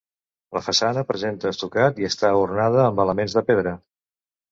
La façana presenta estucat i està ornada amb elements de pedra.